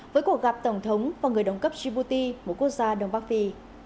với cuộc gặp tổng thống và người đồng cấp djibouti một quốc gia đông bắc phi